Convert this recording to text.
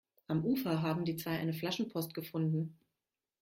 Am Ufer haben die zwei eine Flaschenpost gefunden.